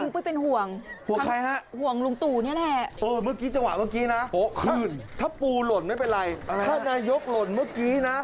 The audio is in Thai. ปูคอมโดสวัสดีล่ะลูก